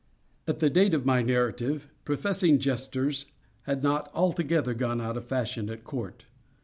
At the date of my narrative, professing jesters had not altogether gone out of fashion at court.